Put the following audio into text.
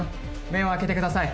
目を開けてください。